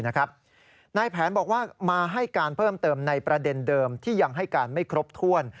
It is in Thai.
นายแผนบอกว่ามาให้การเพิ่มเติมในประเด็นเดิมที่ยังให้การไม่ครบถ้วน